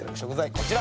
こちら。